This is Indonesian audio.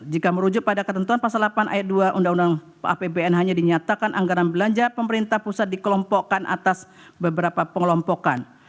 jika merujuk pada ketentuan pasal delapan ayat dua undang undang apbn hanya dinyatakan anggaran belanja pemerintah pusat dikelompokkan atas beberapa pengelompokan